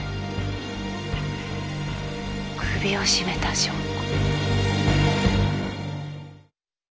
首を絞めた証拠。